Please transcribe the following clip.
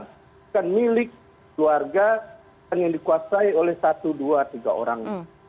bukan milik keluarga yang dikuasai oleh satu dua tiga orang